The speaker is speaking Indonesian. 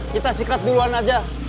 kita sikat duluan aja